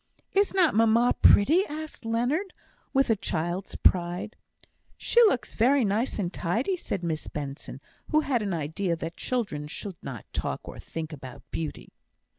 "Is not mamma pretty?" asked Leonard, with a child's pride. "She looks very nice and tidy," said Miss Benson, who had an idea that children should not talk or think about beauty.